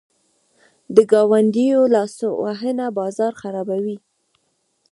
د ګاونډیو لاسوهنه بازار خرابوي.